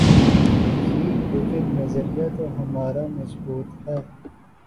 گی لیکن نظریہ تو ہمارا مضبوط ہے۔